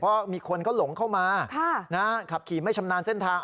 เพราะมีคนก็หลงเข้ามา